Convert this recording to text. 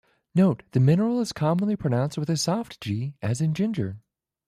Note: The mineral is commonly pronounced with a soft "g", as in "ginger".